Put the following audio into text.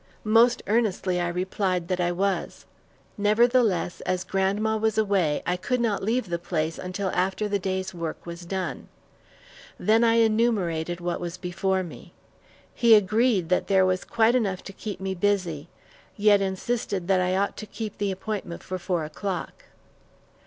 Most earnestly, I replied that I was. Nevertheless, as grandma was away, I could not leave the place until after the day's work was done. Then I enumerated what was before me. He agreed that there was quite enough to keep me busy, yet insisted that I ought to keep the appointment for four o'clock.